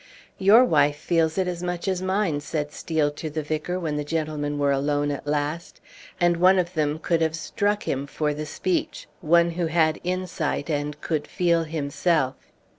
"Your wife feels it as much as mine," said Steel to the vicar, when the gentlemen were alone at last; and one of them could have struck him for the speech, one who had insight and could feel himself.